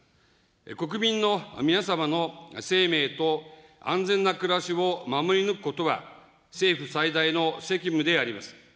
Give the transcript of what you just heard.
国民の皆様の生命と安全な暮らしを守り抜くことは、政府最大の責務であります。